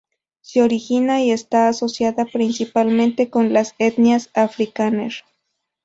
Se origina y está asociada principalmente con las etnias Afrikáner.